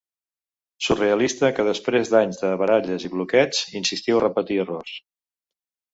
Surrealista que després d'anys de baralles i bloqueig, insistiu a repetir errors.